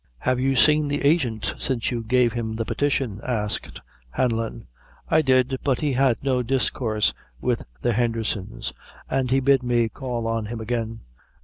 "Have you seen the agint since you gave him the petition?" asked Hanlon. "I did, but he had no discoorse with the Hendherson's; and he bid me call on him again."